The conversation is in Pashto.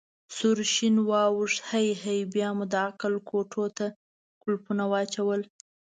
سور شین واوښت: هی هی، بیا مو د عقل کوټو ته کولپونه واچول.